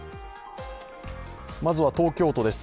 まずは東京都です。